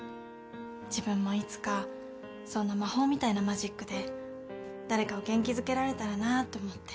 自分もいつかそんな魔法みたいなマジックで誰かを元気づけられたらなって思って。